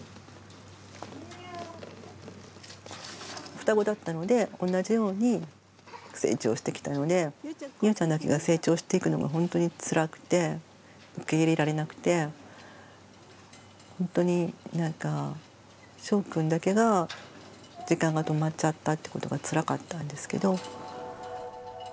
双子だったので同じように成長してきたのでゆうちゃんだけが成長していくのがほんとにつらくて受け入れられなくてほんとにしょうくんだけが時間が止まっちゃったってことがつらかったんですけど。